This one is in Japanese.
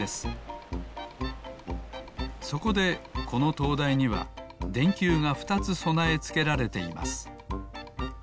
そこでこのとうだいにはでんきゅうが２つそなえつけられています。